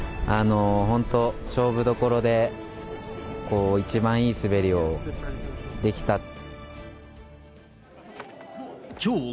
本当、勝負どころで一番いい滑りをできた。